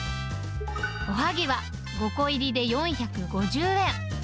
おはぎは５個入りで４５０円。